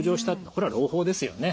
これは朗報ですよね。